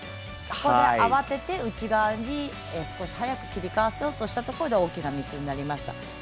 それで慌てて内側に少し早く切り返そうとしたところで大きなミスになりました。